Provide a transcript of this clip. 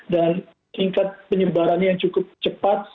dan tingkat penyebarannya yang cukup cepat